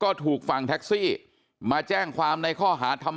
ก็ถูกฝั่งแท็กซี่มาแจ้งความในข้อหาทำ